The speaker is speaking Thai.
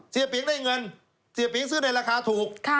เสียเปลี่ยงได้เงินเสียเปลี่ยงซื้อในราคาถูก